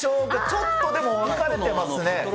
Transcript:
ちょっとでも、分かれてますね。